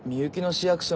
・市役所？